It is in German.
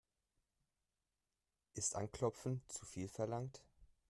Ist anklopfen zu viel verlangt?